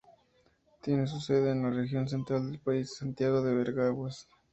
Tiene su sede en la región central del país, Santiago de Veraguas.